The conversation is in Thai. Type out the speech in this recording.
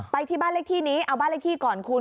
ไปที่บ้านเลขที่นี้เอาบ้านเลขที่ก่อนคุณ